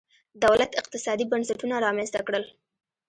دولت اقتصادي بنسټونه رامنځته کړل.